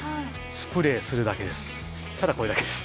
スプレーするだけです。